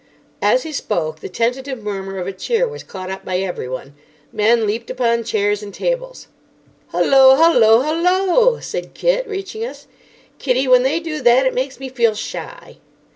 As he spoke, the tentative murmur of a cheer was caught up by everyone. Men leaped upon chairs and tables. "Hullo, hullo, hullo!" said Kit, reaching us. "Kiddie, when they do that it makes me feel shy."